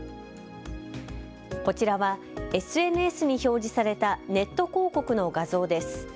こちらはＳＮＳに表示されたネット広告の画像です。